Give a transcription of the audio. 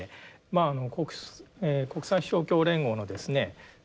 まあ国際勝共連合のですね